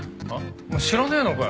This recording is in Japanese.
お前知らねえのかよ？